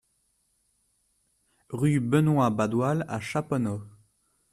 Rue Benoit Badoil à Chaponost